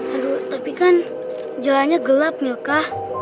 aduh tapi kan jalannya gelap milka